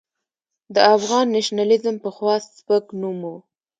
د افغان نېشنلېزم پخوا سپک نوم و.